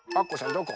どこ？